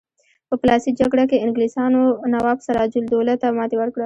په پلاسۍ جګړه کې انګلیسانو نواب سراج الدوله ته ماتې ورکړه.